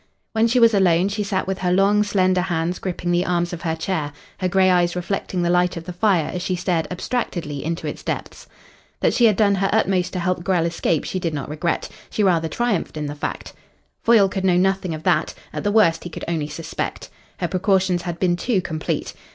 When she was alone she sat with her long, slender hands gripping the arms of her chair, her grey eyes reflecting the light of the fire as she stared abstractedly into its depths. That she had done her utmost to help Grell escape she did not regret; she rather triumphed in the fact. Foyle could know nothing of that at the worst he could only suspect. Her precautions had been too complete.